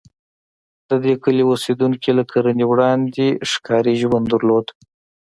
د دې کلي اوسېدونکي له کرنې وړاندې ښکاري ژوند درلود.